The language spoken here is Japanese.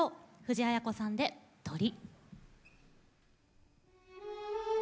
藤あや子さんで「鳥」。